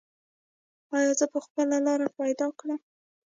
ایا زه به خپله لاره پیدا کړم؟